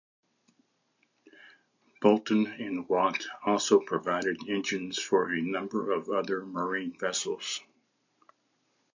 Boulton and Watt also provided engines for a number of other marine vessels.